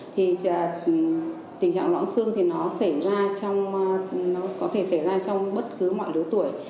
tình trạng loãng xương thì nó có thể xảy ra trong bất cứ mọi lứa tuổi